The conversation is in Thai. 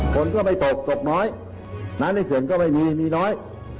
ฝนก็ไม่ตกตกน้อยน้ำในเขื่อนก็ไม่มีมีน้อย